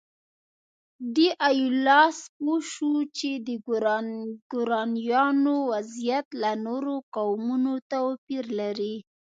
ډي ایولاس پوه شو چې د ګورانیانو وضعیت له نورو قومونو توپیر لري.